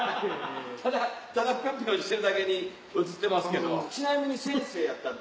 ただピョンピョンしてるだけに映ってますけど。